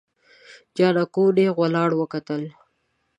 جانکو نيغ ورته وکتل.